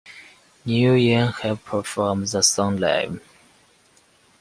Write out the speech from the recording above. Neil Young has performed the song live.